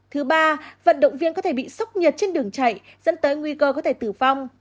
thứ ba vận động viên có thể bị sốc nhiệt trên đường chạy dẫn tới nguy cơ có thể tử vong